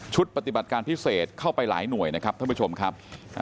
ปฏิบัติการพิเศษเข้าไปหลายหน่วยนะครับท่านผู้ชมครับ